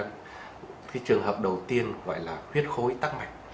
cái trường hợp đầu tiên gọi là huyết khối tắc mạch